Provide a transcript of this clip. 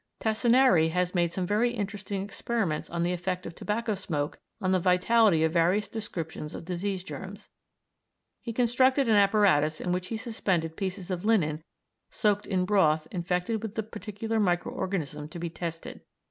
Tassinari has made some very interesting experiments on the effect of tobacco smoke on the vitality of various descriptions of disease germs. He constructed an apparatus in which he suspended pieces of linen soaked in broth infected with the particular micro organism to be tested.